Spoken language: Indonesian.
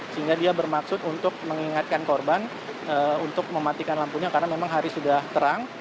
sehingga dia bermaksud untuk mengingatkan korban untuk mematikan lampunya karena memang hari sudah terang